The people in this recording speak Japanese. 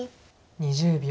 ２０秒。